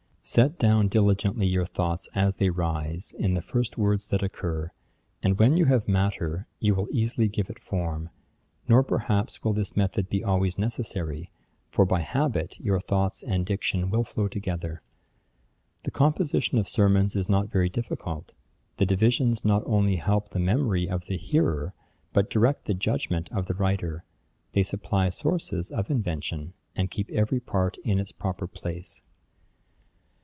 Set down diligently your thoughts as they rise, in the first words that occur; and, when you have matter, you will easily give it form: nor, perhaps, will this method be always necessary; for by habit, your thoughts and diction will flow together. 'The composition of sermons is not very difficult: the divisions not only help the memory of the hearer, but direct the judgement of the writer; they supply sources of invention, and keep every part in its proper place.